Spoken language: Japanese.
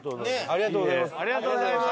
ありがとうございます。